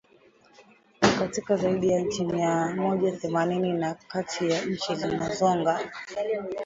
katika zaidi ya nchi mia moja themanini na kati ya nchi zinazoongoza